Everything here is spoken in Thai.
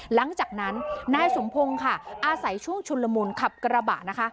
หลังจากนั้นนายสมพงศ์ค่ะอาศัยช่วงชุนละมุนขับกระบะนะคะ